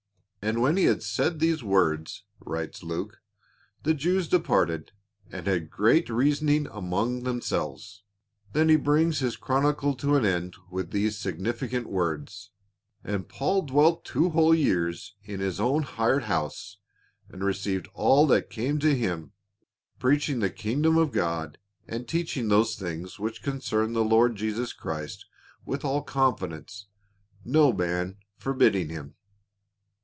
"And when he had said these words," writes Luke, " the Jews departed and had great reasoning among themselves." Then he brings his chronicle to an end with these significant words, '' And Paul dwelt two whole years in his own hired house, and received all that came to him ; preaching the kingdom of God and teaching those things which concern the Lord Jesus Christ with all confidence, no man forbidding him."